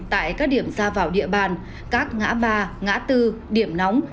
tại các điểm ra vào địa bàn các ngã ba ngã tư điểm nóng